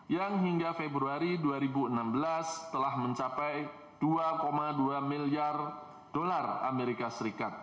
yang hingga februari dua ribu enam belas telah mencapai dua dua miliar dolar amerika serikat